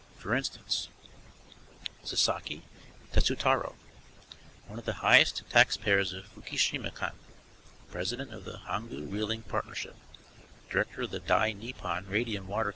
For instance: SASAKI, TETSUTARO: One of the highest taxpayers of Fukushima ken, President of the Hongu Reeling Partnership, Director of the Dai Nippon Radium Water Co.